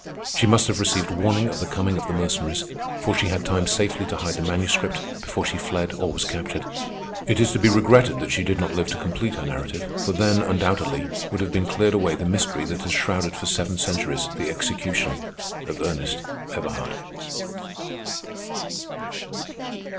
She must have received warning of the coming of the Mercenaries, for she had time safely to hide the Manuscript before she fled or was captured. It is to be regretted that she did not live to complete her narrative, for then, undoubtedly, would have been cleared away the mystery that has shrouded for seven centuries the execution of Ernest Everhard.